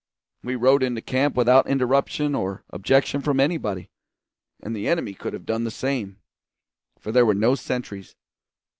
We rode into camp without interruption or objection from anybody, and the enemy could have done the same, for there were no sentries.